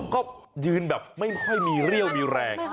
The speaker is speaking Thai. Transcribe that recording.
ก็ยืนแบบไม่ค่อยมีเรี่ยวมีแรง